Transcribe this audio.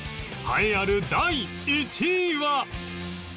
栄えある第１位は